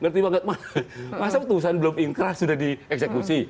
ngerti banget masa putusan belum ingkrah sudah dieksekusi